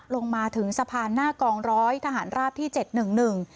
ลงมาถึงสะพานหน้ากองร้อยทหารราบที่เจ็ดหนึ่งหนึ่ง